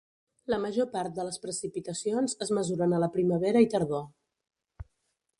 La major part de les precipitacions es mesuren a la primavera i tardor.